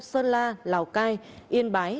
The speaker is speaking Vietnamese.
sơn la lào cai yên bái